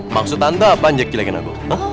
maksud tante apaan ya kilikin aku